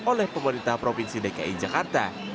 oleh pemerintah provinsi dki jakarta